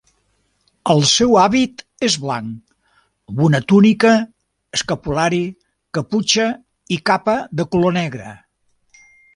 El seu hàbit és blanc amb una túnica, escapulari, caputxa i capa de color negre.